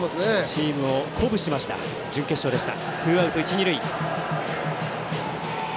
チームを鼓舞しました準決勝でした。